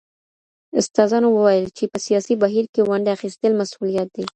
استاذانو وويل چي په سياسي بهير کي ونډه اخيستل مسؤليت دی.